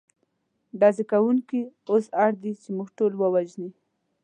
ډزې کوونکي اوس اړ دي، چې موږ ټول ووژني.